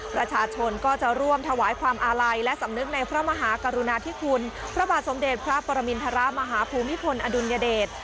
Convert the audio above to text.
ประชาชนก็จะร่วมถวายความอาลัยและสำนึกในพระมหากรุณาธิคุณพระบาทสมเด็จพระปรมินทรมาฮภูมิพลอดุลยเดช